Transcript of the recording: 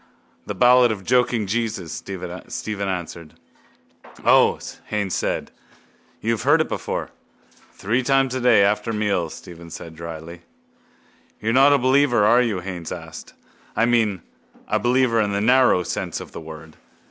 —The ballad of joking Jesus, Stephen answered. —O, Haines said, you have heard it before? —Three times a day, after meals, Stephen said drily. —You're not a believer, are you? Haines asked. I mean, a believer in the narrow sense of the word.